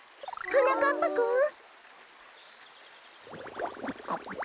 はなかっぱくん！え！？